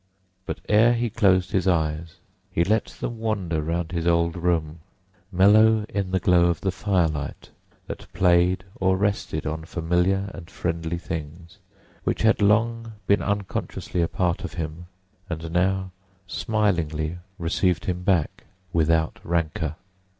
But ere he closed his eyes he let them wander round his old room, mellow in the glow of the firelight that played or rested on familiar and friendly things which had long been unconsciously a part of him, and now smilingly received him back, without rancour.